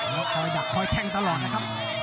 แล้วคอยดักคอยแทงตลอดนะครับ